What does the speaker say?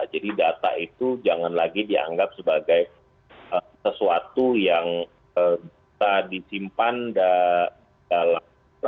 jadi data itu jangan lagi dianggap sebagai sesuatu yang tak disimpan dalam